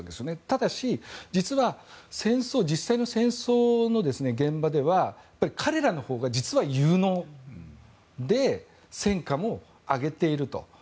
ただし、実は実際の戦争の現場では彼らのほうが実は有能で戦果も挙げていると。